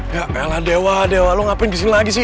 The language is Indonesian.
kayalah dewa dewa lu ngapain disini lagi sih